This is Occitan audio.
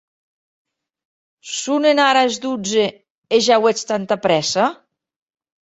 Sonen ara es dotze, e ja auetz tanta prèssa?